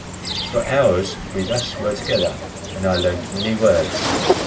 For hours we thus were together, and I learned many words.